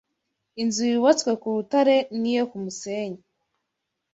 inzu yubatswe ku rutare n’iyo ku musenyi.